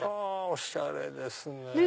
おしゃれですね！